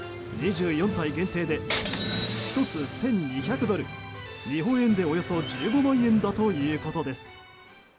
２４体限定で１つ、１２００ドル日本円でおよそ１５万円だということです。